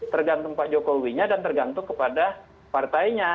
tergantung pak jokowi nya dan tergantung kepada partainya